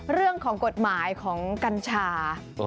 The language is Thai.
เรื่องของกฎหมายของกัญชา